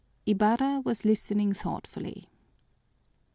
Ibarra was listening thoughtfully.